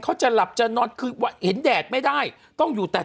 เขาจะหลับจะนอนคือว่าเห็นแดดไม่ได้ต้องอยู่แต่